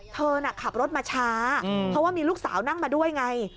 เธอน่ะขับรถมาช้าเพราะว่ามีลูกสาวนั่งมาด้วยไง